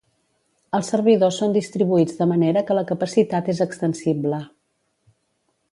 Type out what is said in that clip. Els servidors són distribuïts de manera que la capacitat és extensible.